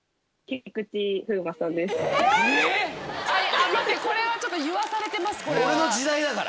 あっ待ってこれはちょっと言わされてます。